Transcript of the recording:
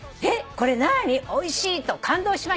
これなぁにおいしい！と感動しました。